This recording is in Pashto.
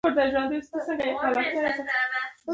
مصنوعي غاښونه څو ډوله وي